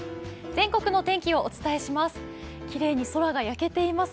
全国の天気をお伝えします。